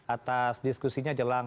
atas diskusinya jelang